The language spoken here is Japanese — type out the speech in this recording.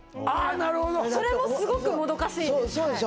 なるほどそれもすごくもどかしいんですそうでしょ？